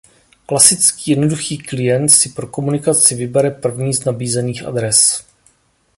Klasický jednoduchý klient si pro komunikaci vybere první z nabízených adres.